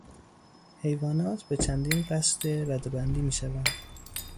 حیوانات به چندین رسته ردهبندی میشوند.